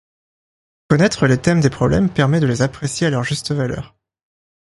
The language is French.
Connaître les thèmes des problèmes permet de les apprécier à leur juste valeur.